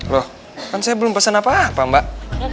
loh kan saya belum pesan apa apa mbak